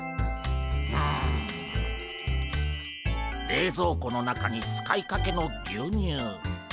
冷蔵庫の中に使いかけの牛乳。